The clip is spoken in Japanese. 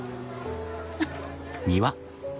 フッ。